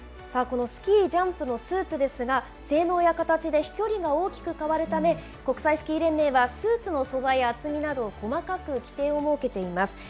このスキージャンプのスーツですが、性能や形で飛距離が大きく変わるため、国際スキー連盟はスーツの素材や厚みなど、細かく規定を設けています。